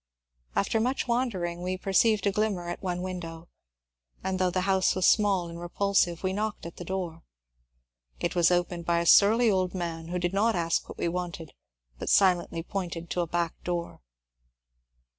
After much wandering we perceived a glimmer at one window, and though the house was small and repulsive we knocked at the door. It was opened by a surly old man who did not ask what we wanted, but silently pointed to a back door.